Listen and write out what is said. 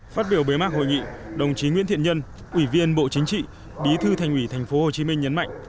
phát biểu bế mạc hội nghị đồng chí nguyễn thiện nhân ủy viên bộ chính trị bí thư thành ủy tp hcm nhấn mạnh